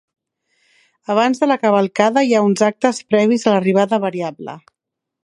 Abans de la cavalcada hi ha uns actes previs a l'arribada variable.